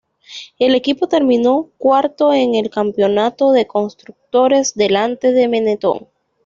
El equipo terminó cuarto en el Campeonato de Constructores, delante de Benetton.